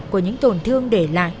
của những tổn thương để lại